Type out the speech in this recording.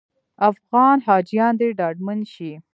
افغان حاجیان دې ډاډمن شي.